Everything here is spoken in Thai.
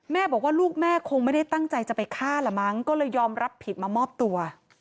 แม่บอกว่าลูกแม่คงไม่ได้ตั้งใจจะไปฆ่าละมั้งก็เลยยอมรับผิดมามอบตัว